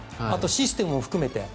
システムも含めて。